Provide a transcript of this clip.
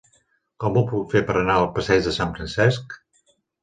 Com ho puc fer per anar al passeig de Sant Francesc?